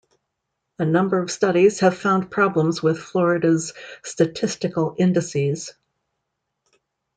A number of studies have found problems with Florida's statistical indices.